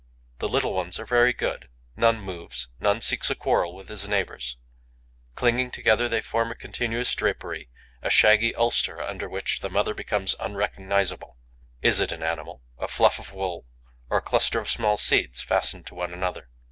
The little ones are very good; none moves, none seeks a quarrel with his neighbours. Clinging together, they form a continuous drapery, a shaggy ulster under which the mother becomes unrecognizable. Is it an animal, a fluff of wool, a cluster of small seeds fastened to one another?